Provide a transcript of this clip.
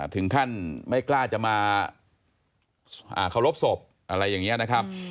ถึงขั้นไม่กล้าจะมาเคารพศพอะไรอย่างนี้นะครับ